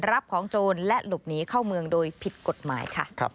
รับของโจรและหลบหนีเข้าเมืองโดยผิดกฎหมายค่ะ